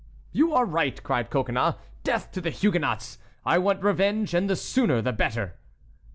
"You are right," cried Coconnas. "Death to the Huguenots! I want revenge, and the sooner the better."